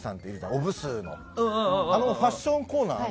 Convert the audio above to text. おブス！のあのファッションコーナーの。